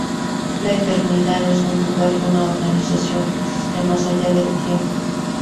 La Eternidad es un lugar y una organización que existe más allá del tiempo.